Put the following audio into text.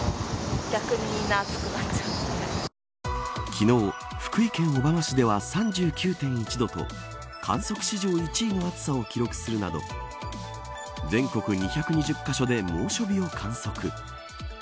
昨日、福井県小浜市では３９．１度と観測史上１位の暑さを記録するなど全国に２２０カ所で猛暑日を観測。